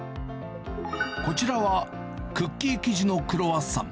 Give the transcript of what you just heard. こちらは、クッキー生地のクロワッサン。